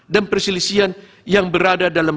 dan perselisihan yang berada dalam